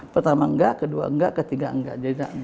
pertama enggak kedua enggak ketiga enggak